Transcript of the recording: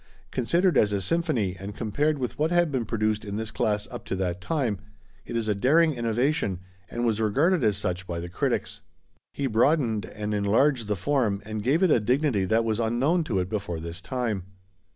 Considered as a symphony and compared with what had been produced in this class up to that time, it is a daring innovation and was regarded as such by the critics. He broadened and enlarged the form and gave it a dignity that was unknown to it before this time.